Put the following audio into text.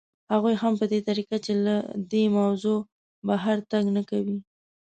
او هغه هم په داسې طریقه چې له موضوع بهر تګ نه کوي